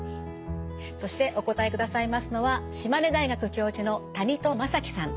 そしてお答えくださいますのは島根大学教授の谷戸正樹さん。